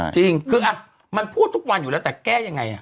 จริงคือมันพูดทุกวันอยู่แล้วแต่แก้ยังไง